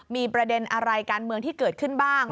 มีประเด็นอะไรการเมืองที่เกิดขึ้นบ้าง